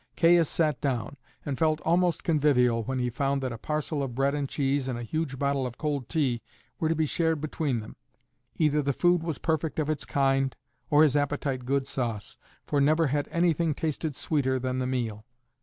Caius sat down, and felt almost convivial when he found that a parcel of bread and cheese and a huge bottle of cold tea were to be shared between them. Either the food was perfect of its kind or his appetite good sauce, for never had anything tasted sweeter than the meal.